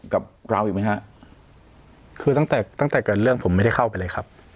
กับเราอีกไหมฮะคือตั้งแต่ตั้งแต่ตั้งแต่เกิดเรื่องผมไม่ได้เข้าไปเลยครับ